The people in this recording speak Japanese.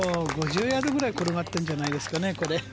５０ヤードぐらい転がってるんじゃないですかね。